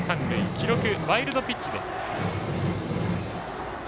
記録、ワイルドピッチです。